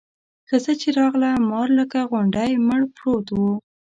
ښځه چې راغله مار لکه غونډی مړ پروت و.